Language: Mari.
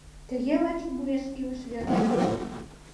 Тыге лач муэш илыш вержым